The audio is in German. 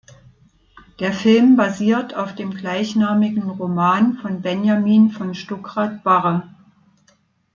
Der Film basiert auf dem gleichnamigen Roman von Benjamin von Stuckrad-Barre.